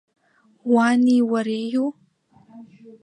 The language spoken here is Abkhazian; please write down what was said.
Уани уареиу?